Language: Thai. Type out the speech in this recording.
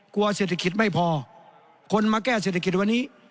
กลัวเศรษฐกิจไม่พอคนมาแก้เศรษฐกิจวันนี้